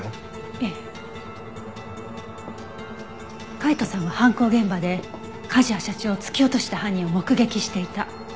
海斗さんは犯行現場で梶谷社長を突き落とした犯人を目撃していた。